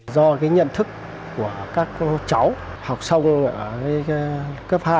do cái nhận thức của các cháu học xong ở cấp hai